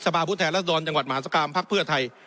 สภาพุทธแทนรัฐดรรมจังหวัดมหาศักรรมภาคเพื่อไทย